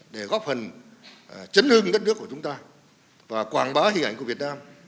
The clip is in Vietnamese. để góp phần chấn hương đất nước của chúng ta và quảng bá hình ảnh của việt nam